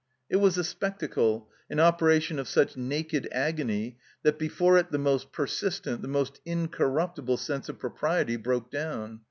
It was a spectacle, an operation of such naked agony that before it the most persistent, the most incorruptible sense of propriety broke down.